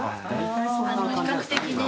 比較的ね。